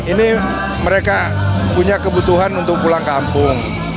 ini mereka punya kebutuhan untuk pulang kampung